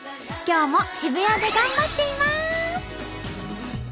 今日も渋谷で頑張っています！